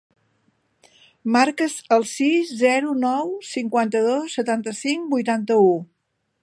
Marca el sis, zero, nou, cinquanta-dos, setanta-cinc, vuitanta-u.